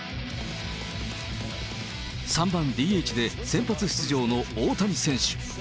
３番ＤＨで先発出場の大谷選手。